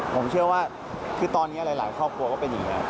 ผมเชื่อว่าคือตอนนี้หลายครอบครัวก็เป็นอย่างนี้